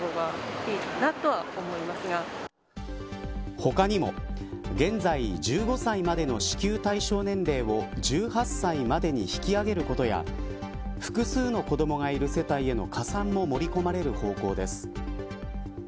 他にも現在１５歳までの支給対象年齢を１８歳までに引き上げることや複数の子どもがいる世帯への加算も盛り込まれる方向です。